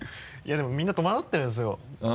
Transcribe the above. いやでもみんなとまどってるんですよ。